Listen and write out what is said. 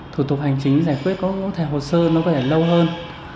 thủ tục hành chính giải quyết có thể hồ sơ nó có thể lâu hơn